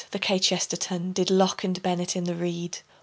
The kchesterton Did locke and bennett in the reed.